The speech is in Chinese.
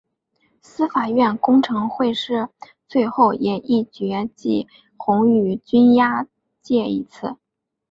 司法院公惩会最后也议决记俞鸿钧申诫一次。